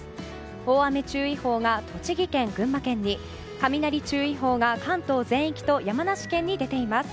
大雨注意報が栃木県、群馬県に雷注意報が関東全域と山梨県に出ています。